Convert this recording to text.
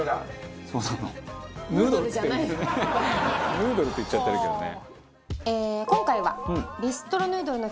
「“ヌードル”って言っちゃってるけどね」